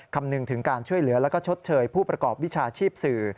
คำนึงถึงการช่วยเหลือแล้วก็ชดเชยผู้ประกอบวิชาชีพสื่อ